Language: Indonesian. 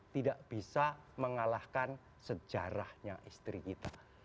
tidak bisa mengalahkan sejarahnya istri kita